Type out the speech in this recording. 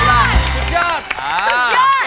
คูโดชินอิจิ